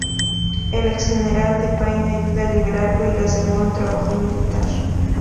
El ex general de Payne ayuda a liberarlo y le asegura un trabajo militar.